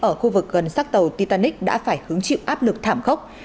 ở khu vực gần sắc tàu titanic đã phải hứng chịu áp lực thảm khốc